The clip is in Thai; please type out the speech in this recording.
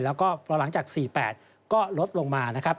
แล้วก็พอหลังจาก๔๘ก็ลดลงมานะครับ